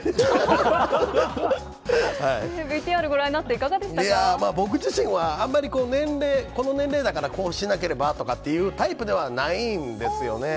ＶＴＲご覧になって、いかが僕自身は、あんまり年齢、この年齢だからこうしなければというタイプではないんですよね。